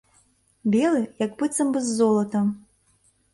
Белы, як быццам бы з золатам.